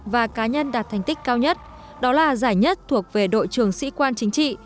và cá nhân đạt thành tích cao nhất đó là giải nhất thuộc về đội trường sĩ quan chính trị